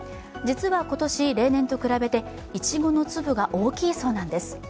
実は今年、例年と比べていちごの粒が大きいそうなんです。